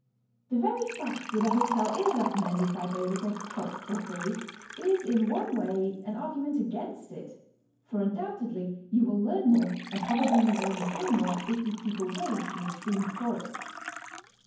'fhe very fact that a hotel is recommended by Baedeker, Cook or Gaze, is in one way an argument against it. for un doubtedly you will learn more and probably you will enjoy more if you keep away from the stream of tourists.